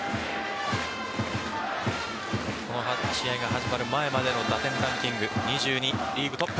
この試合が始まる前までの打点ランキング２２、リーグトップ。